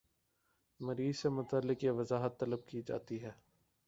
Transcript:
مریض سے متعلق یہ وضاحت طلب کی جاتی ہے